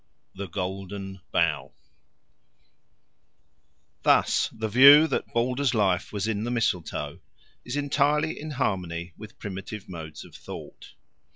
The Golden Bough THUS the view that Balder's life was in the mistletoe is entirely in harmony with primitive modes of thought.